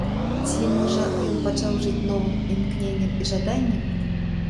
Ці, можа, ён пачаў жыць новым імкненнем і жаданнем?